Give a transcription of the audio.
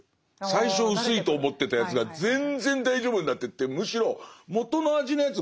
最初薄いと思ってたやつが全然大丈夫になってってむしろ元の味のやつ